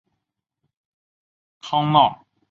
康奈尔大学计算机科学的一名教授。